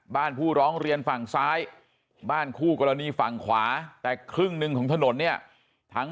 ผู้ร้องเรียนฝั่งซ้ายบ้านคู่กรณีฝั่งขวาแต่ครึ่งหนึ่งของถนนเนี่ยทั้ง